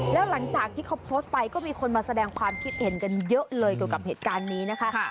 แล้วหลังจากที่เขาโพสต์ไปก็มีคนมาแสดงความคิดเห็นกันเยอะเลยเกี่ยวกับเหตุการณ์นี้นะคะ